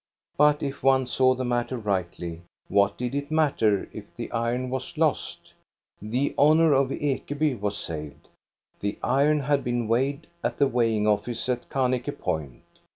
But if one saw the matter rightly, what did it matter if the (iron was lost .' The honor of Ekeby was saved. The iron had been weighed at the weighing office at Kanike point.